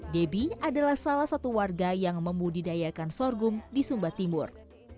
debbie adalah salah satu warga yang membudidayakan sorghum di sumba timur